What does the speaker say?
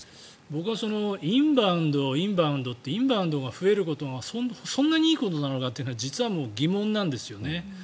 僕、インバウンドインバウンドってインバウンドが増えることがそんなにいいことなのかというのが疑問なんですよね。